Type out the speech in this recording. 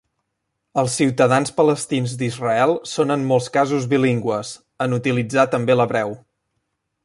Els ciutadans palestins d'Israel són en molts casos bilingües, en utilitzar també l'hebreu.